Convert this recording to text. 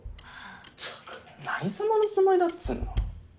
ったく何様のつもりだっつぅの。